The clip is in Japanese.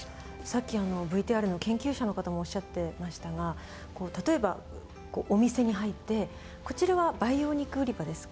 さっきＶＴＲの研究者の方もおっしゃってましたが例えばお店に入ってこちらは培養肉売り場です